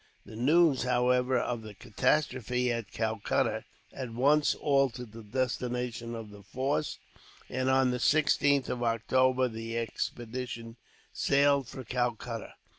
The news, however, of the catastrophe at Calcutta at once altered the destination of the force; and, on the 16th of October, the expedition sailed for Calcutta.